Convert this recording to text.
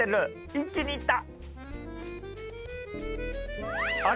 一気にいった。